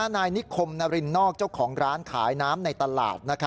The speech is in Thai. นายนิคมนารินนอกเจ้าของร้านขายน้ำในตลาด